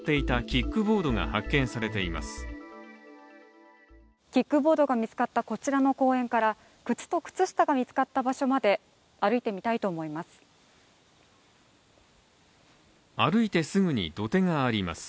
キックボードが見つかったこちらの公園から、靴と靴下が見つかった場所まで歩いてみたいと思います。